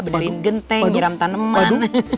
benerin genteng nyeram taneman